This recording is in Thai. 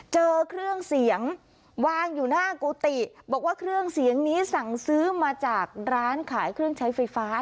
เจอเครื่องเสียงวางอยู่หน้ากุฏิบอกว่าเครื่องเสียงนี้สั่งซื้อมาจากร้านขายเครื่องใช้ไฟฟ้า